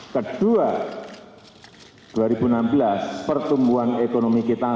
kita pertolongan diri kita